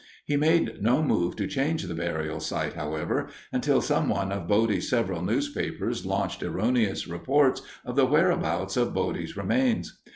He made no move to change the burial site, however, until some one of Bodie's several newspapers launched erroneous reports of the whereabouts of Body's remains.